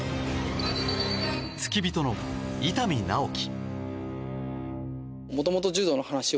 付き人の伊丹直喜。